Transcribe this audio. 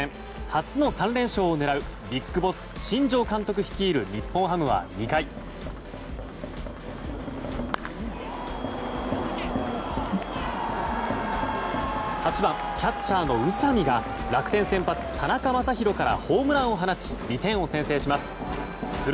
初の３連勝を狙うＢＩＧＢＯＳＳ新庄監督率いる日本ハムは２回８番、キャッチャーの宇佐見が楽天先発、田中将大からホームランを放ち２点を先制します。